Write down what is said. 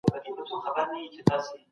د هنر ټولنپوهنه هنري کارونه څېړي.